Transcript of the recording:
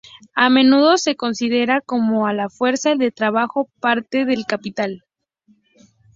A menudo se considera como a la fuerza de trabajo parte del capital.